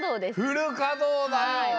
フルかどうだよ！